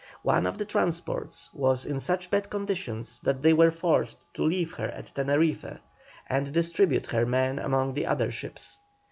One of the transports was in such bad condition that they were forced to leave her at Teneriffe, and distribute her men among the other ships.